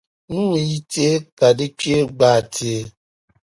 Nuu n-yi teei ka di kpee gba teei.